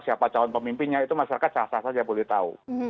siapa calon pemimpinnya itu masyarakat casah saja boleh tahu